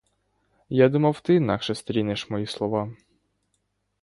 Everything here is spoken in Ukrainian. Я думав, ти інакше стрінеш мої слова.